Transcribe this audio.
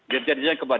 dirjen dirjen ke bawah